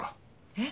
えっ？